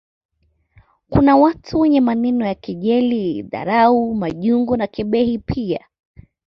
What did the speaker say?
Kuna watu wenye maneno ya kejeli dhadhau majungu na kebehi pia